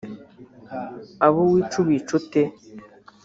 abo wica ubica ute